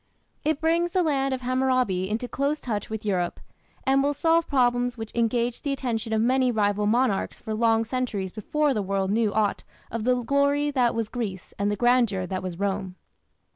It brings the land of Hammurabi into close touch with Europe, and will solve problems which engaged the attention of many rival monarchs for long centuries before the world knew aught of "the glory that was Greece and the grandeur that was Rome".